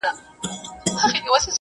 تاسو به د نوي افکارو هرکلی کوئ.